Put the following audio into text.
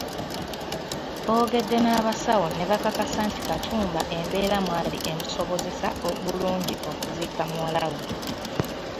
Boogedde n’abasawo ne bakakasa nti Katumba embeera mw’ali emusobozesa bulungi okuziika muwala we.